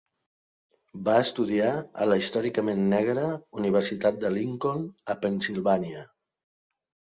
Va estudiar a la històricament negra Universitat de Lincoln a Pennsilvània.